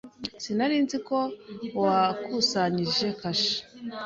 Sinari nzi ko wakusanyije kashe.